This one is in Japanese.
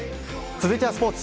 続いてはスポーツ。